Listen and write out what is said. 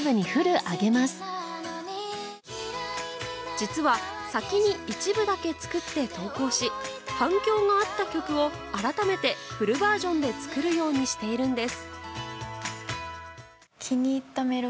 実は、先に一部だけ作って投稿し反響があった曲を改めてフルバージョンで作るようにしているんです。